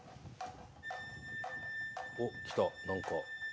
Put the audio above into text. おっ来た何か。